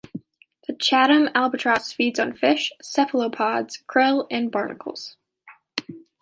The Chatham albatross feeds on fish, cephalopods, krill, and barnacles.